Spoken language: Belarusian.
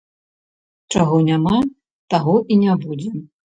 Чаго няма, таго і не будзе.